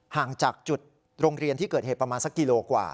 ห่างจากจุดโรงเรียนที่เกิดเหตุประมาณสักกิโลกว่า